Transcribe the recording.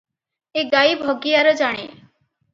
ଏ ଗାଈ ଭଗିଆର ଜାଣେ ।